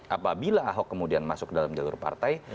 apabila ahok kemudian masuk dalam jalur partai